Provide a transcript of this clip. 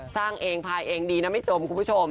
สร้างเองภายเองดีนะไม่จมคุณผู้ชม